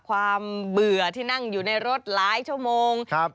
เบื่อที่นั่งอยู่ในรถหลายชั่วโมงครับ